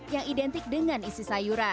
yang identik dengan isi sayuran